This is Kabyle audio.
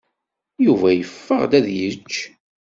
Yuba yeffeɣ ad d-yečč.